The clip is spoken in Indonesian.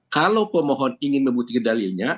kalau pemohon ingin membuktikan dalilnya